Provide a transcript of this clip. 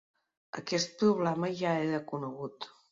Aquest problema ja era conegut.